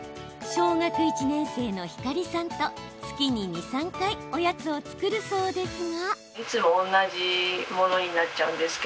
小学１年生のひかりさんと月に２、３回おやつを作るそうですが。